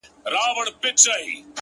بابولاله؛